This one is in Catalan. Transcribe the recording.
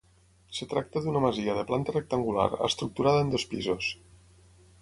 Es tracta d'una masia de planta rectangular, estructurada en dos pisos.